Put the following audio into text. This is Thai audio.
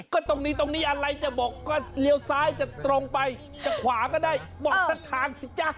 ก็ตรงนี้ตรงนี้อะไรจะบอกก็เลี้ยวซ้ายจะตรงไปจะขวาก็ได้บอกสักทางสิจ๊ะ